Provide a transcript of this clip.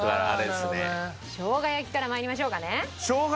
しょうが焼きから参りましょうかね。